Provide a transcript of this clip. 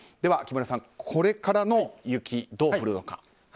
木村さん、これからの雪どう降るのか？